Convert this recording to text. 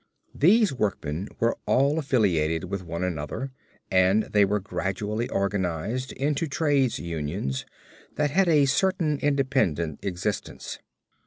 These workmen were all affiliated with one another and they were gradually organized into trades' unions that had a certain independent existence.